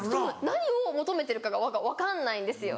何を求めてるかが分かんないんですよ。